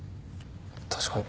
確かに。